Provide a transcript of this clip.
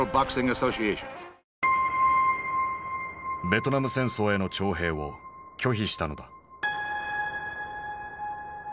ベトナム戦争への徴兵を拒否したのだ。